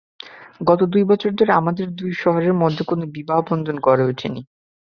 গত দুই বছর ধরে আমাদের দুই শহরের মধ্যে কোনো বিবাহ-বন্ধন গড়ে ওঠেনি।